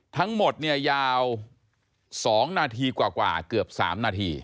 ทั้งหมดเนี่ยยาว๒นาทีกว่าเกือบ๓นาที